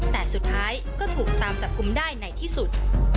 แต่สุดท้ายก็ถูกตามจับกลุ่มได้ในที่สุด